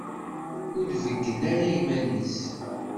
Ur d-tbeyyen ara iman-is.